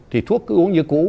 thì thuốc cứ uống như cũ